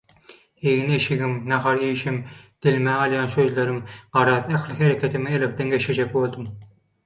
Egin-eşigim, nahar iýişim, dilime alýan sözlerim, garaz ähli hereketimi elekden geçirjek boldum.